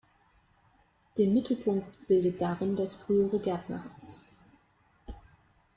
Den Mittelpunkt bildet darin das frühere Gärtnerhaus.